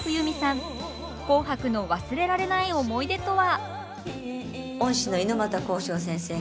「紅白」の忘れられない思い出とは？